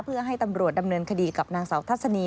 เพื่อให้ตำรวจดำเนินคดีกับนางสาวทัศนี